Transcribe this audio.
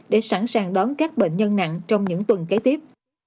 để sẵn sàng đón các bệnh nhân nặng trong những tuần kế tiếp